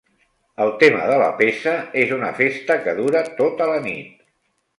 El tema de la peça és una festa que dura tota la nit.